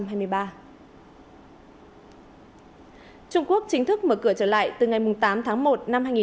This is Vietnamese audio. trung quốc chính thức mở cửa trở lại từ ngày tám tháng một năm hai nghìn hai mươi